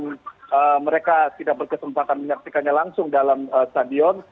jadi kalau misalkan mereka tidak berkesempatan menyaksikannya langsung dalam stadion